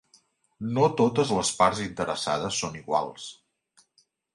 No totes les parts interessades són iguals.